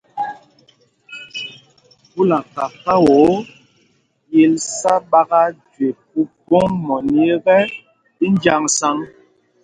Phúla kakao, yǐl sá ɓaka jüe Mpumpong mɔní ekɛ, í njǎŋsaŋ.